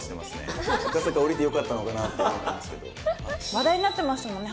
話題になってましたもんね